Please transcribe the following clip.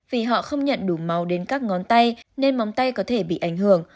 vì họ không nhận đủ màu đến các ngón tay nên móng tay có thể bị ảnh hưởng